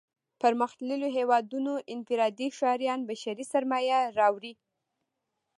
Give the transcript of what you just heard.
پرمختلليو هېوادونو انفرادي ښاريان بشري سرمايه راوړي.